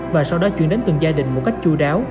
và sau đó chuyển đến từng gia đình một cách chú đáo